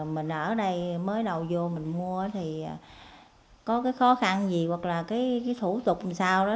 mình ở đây mới đầu vô mình mua thì có cái khó khăn gì hoặc là cái thủ tục làm sao đó